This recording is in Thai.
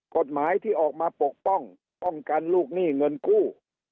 กฎหมายที่ออกมาปกป้องป้องกันลูกหนี้เงินกู้